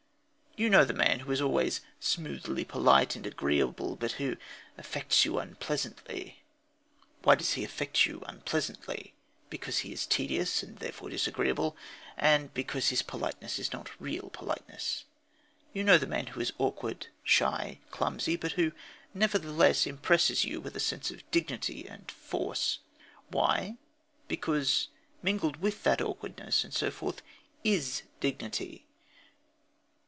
You know the man who is always "smoothly polite and agreeable," but who affects you unpleasantly. Why does he affect you unpleasantly? Because he is tedious, and therefore disagreeable, and because his politeness is not real politeness. You know the man who is awkward, shy, clumsy, but who, nevertheless, impresses you with a sense of dignity and force. Why? Because mingled with that awkwardness and so forth is dignity.